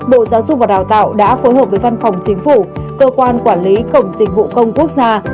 bộ giáo dục và đào tạo đã phối hợp với văn phòng chính phủ cơ quan quản lý cổng dịch vụ công quốc gia